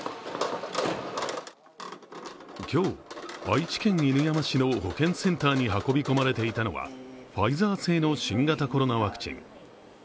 今日、愛知県犬山市の保健センターに運び込まれていたのはファイザー製の新型コロナワクチン。